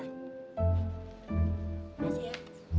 terima kasih ya